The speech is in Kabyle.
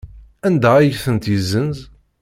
Anda ay tent-yessenz?